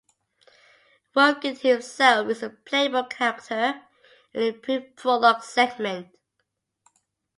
Rogan himself is a playable character in a brief prologue segment.